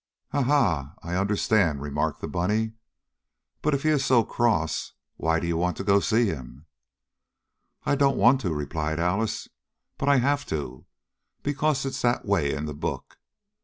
"Ah, ha! I understand," remarked the bunny. "But if he is so cross why do you want to go to see him?" "I don't want to," replied Alice, "but I have to, because it's that way in the book.